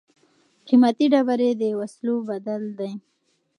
قیمتي ډبرې د وسلو بدل دي.